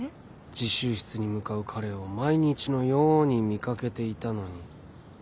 自習室に向かう彼を毎日のように見掛けていたのに。